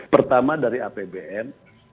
pertama dari apbn